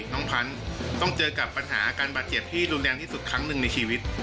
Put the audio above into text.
พันธุ์ต้องเจอกับปัญหาอาการบาดเจ็บที่รุนแรงที่สุดครั้งหนึ่งในชีวิต